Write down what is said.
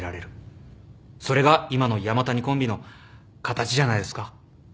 それが今の山谷コンビの形じゃないですか？